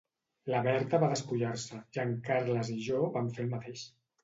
La Berta va despullar-se i en Carles i jo vam fer el mateix.